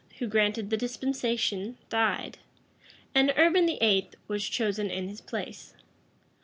who granted the dispensation, died; and Urban VIII. was chosen in his place.